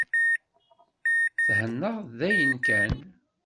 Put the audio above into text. Thennaɣ dayen kan.